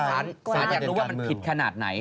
สารอยากรู้ว่ามันผิดขนาดไหน